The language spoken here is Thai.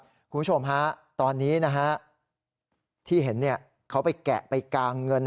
คุณผู้ชมฮะตอนนี้นะฮะที่เห็นเขาไปแกะไปกางเงิน